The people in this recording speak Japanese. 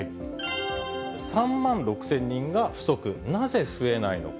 ３万６０００人が不足、なぜ増えないのか。